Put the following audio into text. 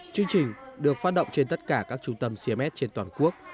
chương trình được phát động trên tất cả các trung tâm cms trên toàn quốc